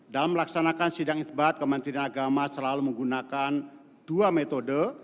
dalam melaksanakan sidang isbat kementerian agama selalu menggunakan dua metode